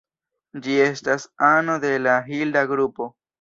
Ĝi estas ano de la Hilda grupo.